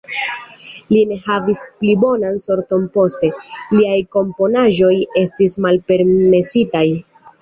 Li ne havis pli bonan sorton poste, liaj komponaĵoj estis malpermesitaj.